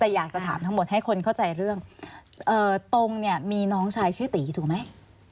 แต่อยากจะถามทั้งหมดให้คนเข้าใจเรื่องตรงเนี่ยมีน้องชายชื่อตีถูกไหม